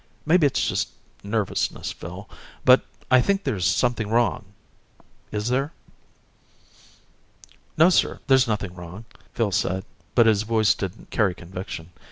Maybe it's just nervousness, Phil, but I think there's something wrong. Is there?" "No, sir. There's nothing wrong," Phil said, but his voice didn't carry conviction.